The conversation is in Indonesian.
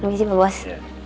permisi pak bos